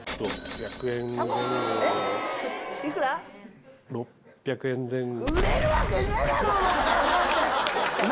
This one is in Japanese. １つ６００円前後。